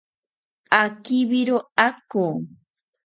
Akibiro ako